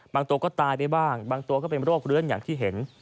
ตัวก็ตายไปบ้างบางตัวก็เป็นโรคเลื้อนอย่างที่เห็น